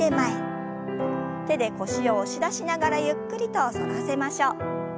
手で腰を押し出しながらゆっくりと反らせましょう。